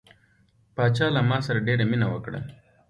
پاچا له ما سره ډیره مینه وکړه.